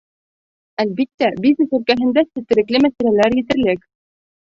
Әлбиттә, бизнес өлкәһендә сетерекле мәсьәләләр етерлек.